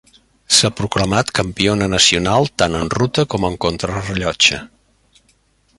S'ha proclamat campiona nacional tant en ruta com en contrarellotge.